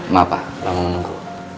maaf pak lama menunggu